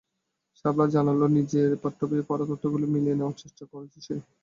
শাপলা জানাল, নিজের পাঠ্যবইয়ে পড়া তথ্যগুলো মিলিয়ে নেওয়ার চেষ্টা করেছে সে।